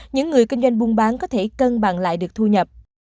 những người kinh doanh buôn bán có thể cân bằng lại được thu nhập